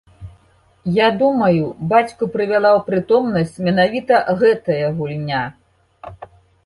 Я думаю, бацьку прывяла ў прытомнасць менавіта гэтая гульня.